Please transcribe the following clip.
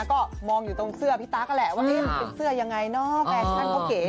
ก็มองอยู่ตรงเสื้อพี่ตั๊กแหละว่ามันเป็นเสื้อยังไงเนาะแฟชั่นเขาเก๋